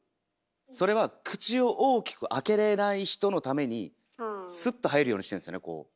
それは口を大きく開けれない人のためにスッと入るようにしてるんですよねこう。